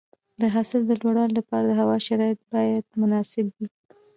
د حاصل د لوړوالي لپاره د هوا شرایط باید مناسب وي.